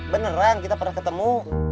beneran kita pernah ketemu